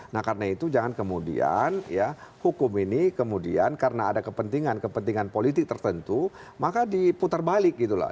nah karena itu jangan kemudian ya hukum ini kemudian karena ada kepentingan kepentingan politik tertentu maka diputar balik gitu lah